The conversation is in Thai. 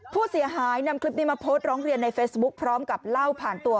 ผู้เสียหายนำคลิปนี้มาโพสต์ร้องเรียนในเฟซบุ๊คพร้อมกับเล่าผ่านตัว